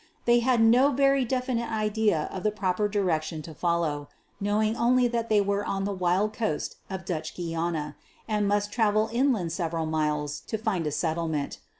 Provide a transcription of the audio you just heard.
They had no very definite idea of the proper direction to follow — knowing only that they were on the wild coast of Dutch Guiana, and must travel inland several miles to find a settlement.